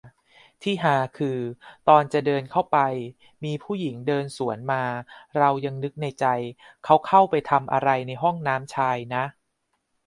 ที่ฮาคือ ตอนจะเดินเข้าไป มีผู้หญิงเดินสวนมา เรายังนึกในใจ เค้าเข้าไปทำไรห้องน้ำชายนะ